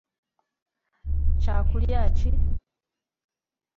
Kya kulya ki?